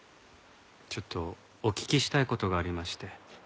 ちょっとお聞きしたい事がありまして。